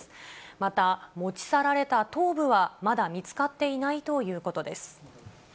また、持ち去られた頭部はまだ見つかっていないということです。